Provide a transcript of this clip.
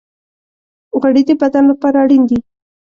غوړې د بدن لپاره اړین دي.